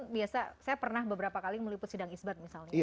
biasa saya pernah beberapa kali meliput sidang isbat misalnya